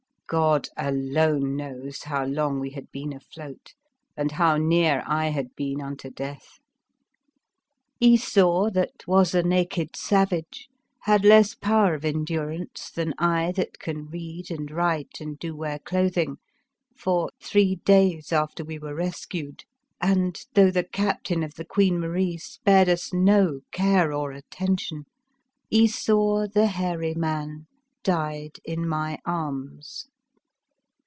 God alone knows how long we had been afloat and how near I had been unto i34 The Fearsome Island death. Esau, that was a naked sav age, had less power of endurance than I that can read and write and do wear clothing, for, three days after we were rescued, and though the captain of the Queen Marie spared us no care or at tention, Esau, the hairy man, died in my arms.